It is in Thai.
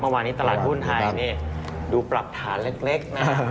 เมื่อวานนี้ตลาดหุ้นไทยนี่ดูปรับฐานเล็กนะ